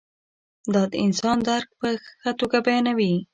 دا د انسان درک په ښه توګه بیانوي.